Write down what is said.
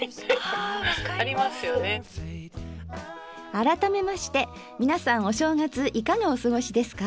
改めまして皆さんお正月いかがお過ごしですか？